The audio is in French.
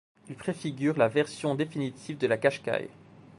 Il préfigure la version définitive de la Qashqai.